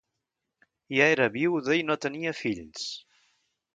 Ja era viuda i no tenia fills.